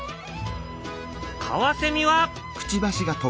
カワセミは。